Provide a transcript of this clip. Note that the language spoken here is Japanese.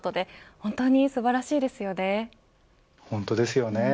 本当ですよね。